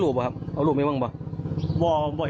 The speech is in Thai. ถ้าเจ้ากบว่าหลายบาทก็ห้าบาท